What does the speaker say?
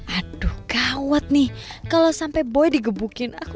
aduh gawat nih kalo sampe boy digebukin aku